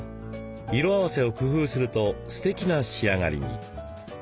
色合わせを工夫するとすてきな仕上がりに。